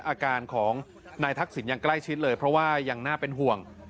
อาการของนายทักษิณยังใกล้ชิดเลยเพราะว่ายังน่าเป็นห่วง